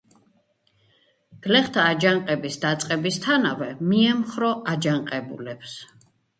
გლეხთა აჯანყების დაწყებისთანავე მიემხრო აჯანყებულებს.